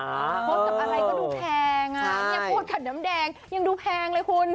มดจับอะไรก็ดูแพงอ่ะพูดกับน้ำแดงยังดูแพงเลยคุณ